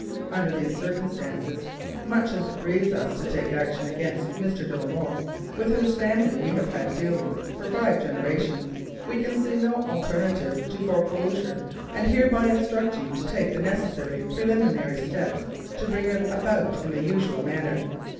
Under these circumstances, much as it grieves us to take action against Mr. de la Molle, with whose family we have had dealings for five generations, we can see no alternative to foreclosure, and hereby instruct you to take the necessary preliminary steps to bring it about in the usual manner.